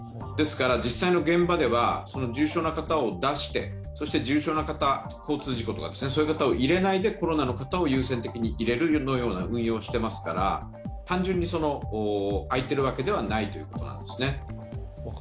ですから、実際の現場では重症の方を出してそして重症な方、交通事故とか、そういう方を入れないでコロナの方を優先的に入れるような運用をしていますから単純に空いているわけではないということなんですね。